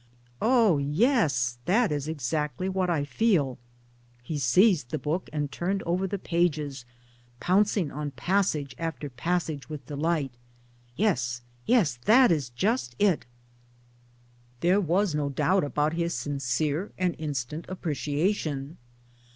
"Oh yes, that is exactly what I feel." He seized the book, and turned over thfe pages, pouncing on passage after passage with 1 delight. " Yes, yes, that is just it J " There was 1 88 MY DAYS AND DREAMS no doubt about his sincere and instant appreciation.